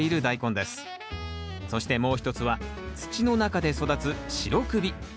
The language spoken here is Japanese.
そしてもう一つは土の中で育つ白首。